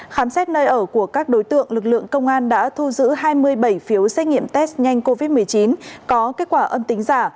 khám xét nơi ở của các đối tượng lực lượng công an đã thu giữ hai mươi bảy phiếu xét nghiệm test nhanh covid một mươi chín có kết quả âm tính giả